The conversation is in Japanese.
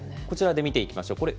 こちらで見ていきましょう。